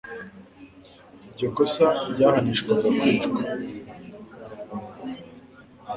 Iryo kosa ryahanishwaga kwicwa.